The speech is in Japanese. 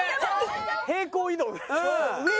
平行移動で。